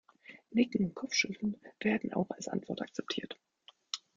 Nicken und Kopfschütteln werden auch als Antwort akzeptiert.